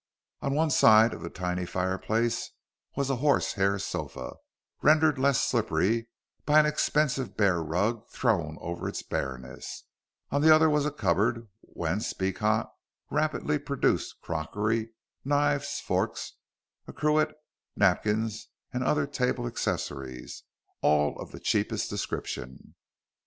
On one side of the tiny fireplace was a horse hair sofa, rendered less slippery by an expensive fur rug thrown over its bareness; on the other was a cupboard, whence Beecot rapidly produced crockery, knives, forks, a cruet, napkins and other table accessories, all of the cheapest description.